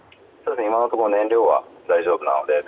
今のところ燃料は大丈夫です。